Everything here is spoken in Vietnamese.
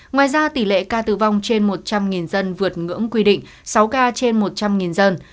ngoài ra tỷ lệ ca tử vong trên một trăm linh dân vượt ngưỡng quy định sáu ca trên một trăm linh dân